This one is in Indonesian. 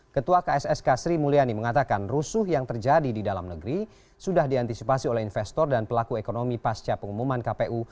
ketua kssk sri mulyani mengatakan rusuh yang terjadi di dalam negeri sudah diantisipasi oleh investor dan pelaku ekonomi pasca pengumuman kpu